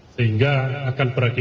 sehingga akan beragam